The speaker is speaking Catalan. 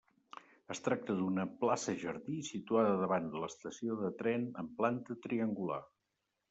Es tracta d'una plaça jardí situada davant de l'estació de tren amb planta triangular.